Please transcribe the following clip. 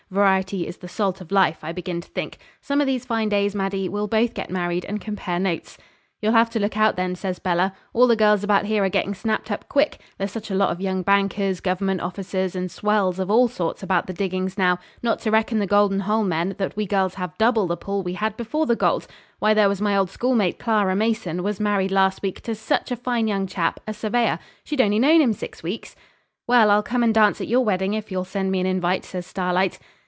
Variety is the salt of life, I begin to think. Some of these fine days, Maddie, we'll both get married and compare notes.' 'You'll have to look out, then,' says Bella. 'All the girls about here are getting snapped up quick. There's such a lot of young bankers, Government officers, and swells of all sorts about the diggings now, not to reckon the golden hole men, that we girls have double the pull we had before the gold. Why, there was my old schoolmate, Clara Mason, was married last week to such a fine young chap, a surveyor. She'd only known him six weeks.' 'Well, I'll come and dance at your wedding if you'll send me an invite,' says Starlight.